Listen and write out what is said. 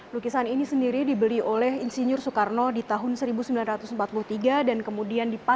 lukisan ini sendiri dibeli oleh insinyur soekarno di tahun seribu sembilan ratus empat puluh tiga dan kemudian dipakai